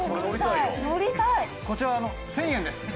「こちら１０００円です！」